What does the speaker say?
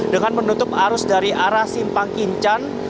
dengan menutup arus dari arah simpang kincan